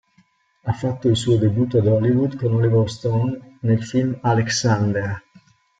Ha fatto il suo debutto ad Hollywood con Oliver Stone nel film "Alexander".